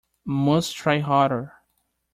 Must try harder.